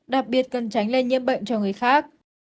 đặc biệt cần tránh lây nhiễm bệnh cho người khác